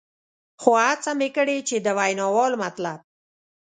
خو هڅه مې کړې چې د ویناوال مطلب.